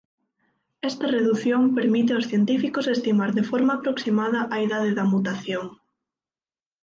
Esta redución permite aos científicos estimar de forma aproximada a idade da mutación.